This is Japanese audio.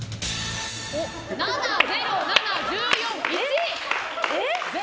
７、０、７、１４、１。